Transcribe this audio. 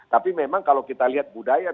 tapi memang kalau kita lihat budaya